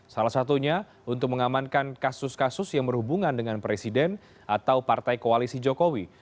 salah satunya untuk mengamankan kasus kasus yang berhubungan dengan presiden atau partai koalisi jokowi